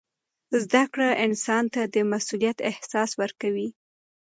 زده کړه انسان ته د مسؤلیت احساس ورکوي.